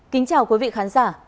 kính chào quý vị khán giả